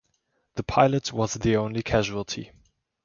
The pilot was the only casualty.